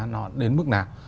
nó đến mức nào